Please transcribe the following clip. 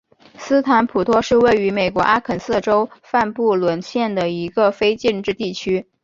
斯坦普托是位于美国阿肯色州范布伦县的一个非建制地区。